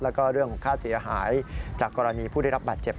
แล้วก็เรื่องค่าเสียหายจากกรณีผู้ได้รับบาดเจ็บ